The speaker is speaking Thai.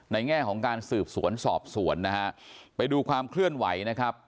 แง่ของการสืบสวนสอบสวนนะฮะไปดูความเคลื่อนไหวนะครับ